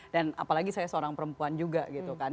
dan apalagi saya seorang perempuan juga gitu kan